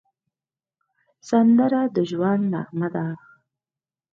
سندره د ژوند نغمه ده